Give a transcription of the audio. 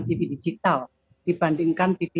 tv digital dibandingkan tv